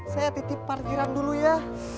saya titip parkiran dulu ya